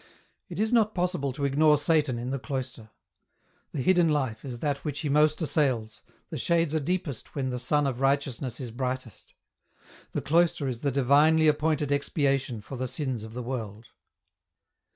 It is not possible to ignore Satan in the Cloister. The hidden life is that which he most assails, the shades are deepest when the sun of righteousness is brightest. The cloister is the divinely appointed expiation for the sins of the world.